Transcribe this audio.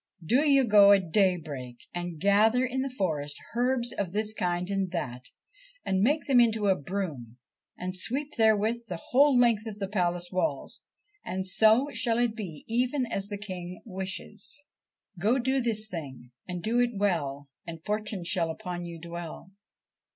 Do you go at daybreak 37 THE SERPENT PRINCE and gather in the forest herbs of this kind and that, and make them into a broom, and sweep therewith the whole length of the palace walls, and so shall it be even as the King wishes. ' Go do this thing and do it well, And fortune shall upon you dwell?